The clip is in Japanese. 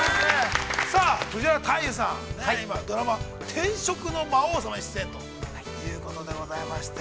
藤原大祐さん、今、ドラマ「転職の魔王様」に出演ということでございまして。